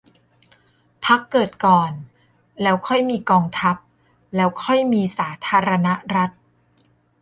พรรคเกิดก่อน แล้วค่อยมีกองทัพ แล้วค่อยมีสาธารณรัฐ